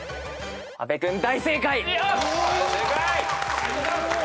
ありがとうございます。